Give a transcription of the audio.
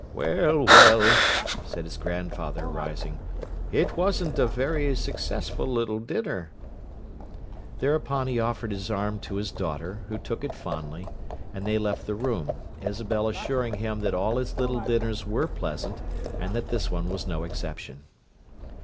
"Well, well," said his grandfather, rising. "It wasn't a very successful little dinner!" Thereupon he offered his arm to his daughter, who took it fondly, and they left the room, Isabel assuring him that all his little dinners were pleasant, and that this one was no exception.